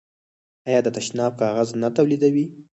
آیا د تشناب کاغذ نه تولیدوي؟